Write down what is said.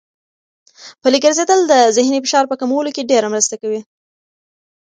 پلي ګرځېدل د ذهني فشار په کمولو کې ډېره مرسته کوي.